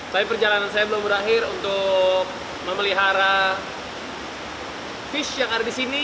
tapi perjalanan saya belum berakhir untuk memelihara fish yang ada di sini